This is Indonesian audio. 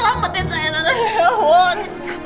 selamatin saya tante